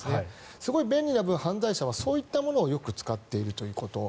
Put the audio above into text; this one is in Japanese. すごく便利な分、犯罪者はそういったものをよく使っているということ。